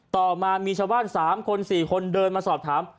ต่อมามีชาวบ้าน๓คน๔คนเดินมาสอบถาม